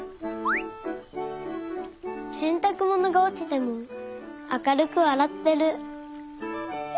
せんたくものがおちてもあかるくわらってる。